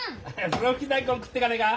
ふろふき大根食ってかねえか？